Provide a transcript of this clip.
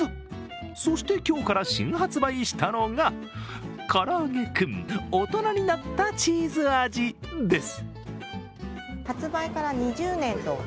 そして今日から新発売したのがからあげクン大人になったチーズ味です。